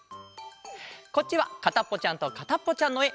こっちは「かたっぽちゃんとかたっぽちゃん」のえ！